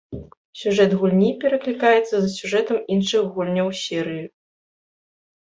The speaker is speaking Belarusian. Сюжэт гульні пераклікаецца з сюжэтам іншых гульняў серыі.